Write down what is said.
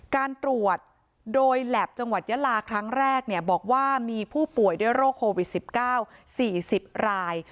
การตรวจโดยแหลบจังหวัดยาลาครั้งแรกบอกว่ามีผู้ป่วยด้วยโรคโควิด๑๙๔๐ราย